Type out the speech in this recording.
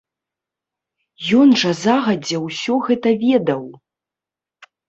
Ён жа загадзя ўсё гэта ведаў!